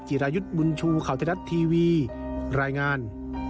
จิรายุทธ์บุญชูข่าวทะเลทัศน์ทีวีรายงาน